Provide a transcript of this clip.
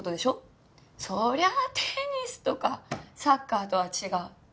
そりゃあテニスとかサッカーとは違う。